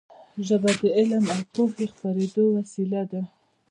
ژبه د علم او پوهې د خپرېدو وسیله ده.